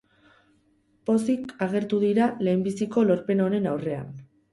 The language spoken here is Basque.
Pozik agertu dira lehenbiziko lorpen honen aurrean.